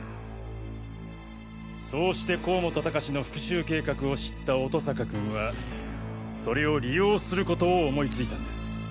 そうして甲本高士の復讐計画を知った乙坂君はそれを利用することを思いついたんです。